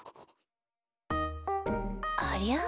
ありゃ？